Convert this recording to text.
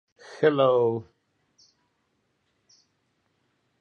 The bullet went right through his head and exited near the right eye.